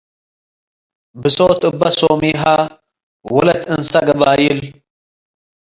ብሶት እባ ሶሚሃ ወለት አንሳ ገባይል